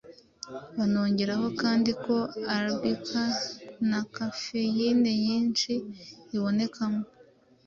Banongeraho kandi ko Arabika nta kafeyine nyinshi ibonekamo.